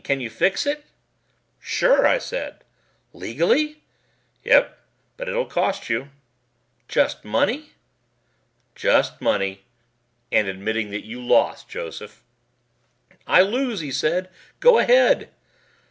Can you fix it?" "Sure," I said. "Legally?" "Yep. But it'll cost you." "Just money?" "Just money and admitting that you lost, Joseph!" "I lose," he said. "Go ahead!"